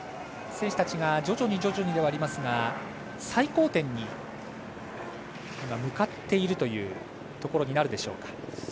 選手たちが徐々にではありますが最高点に向かっているところになるでしょうか。